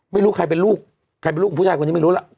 ไม่รู้ใครเป็นลูกใครเป็นลูกของผู้ชายคนนี้ไม่รู้ล่ะ